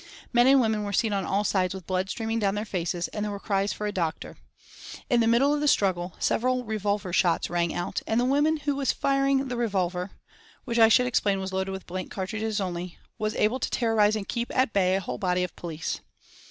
Men and women were seen on all sides with blood streaming down their faces, and there were cries for a doctor. In the middle of the struggle, several revolver shots rang out, and the woman who was firing the revolver which I should explain was loaded with blank cartridges only was able to terrorise and keep at bay a whole body of police.